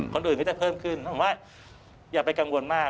คนอื่นก็จะเพิ่มขึ้นผมว่าอย่าไปกังวลมาก